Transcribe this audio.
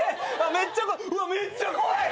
めっちゃ怖いうわめっちゃ怖い！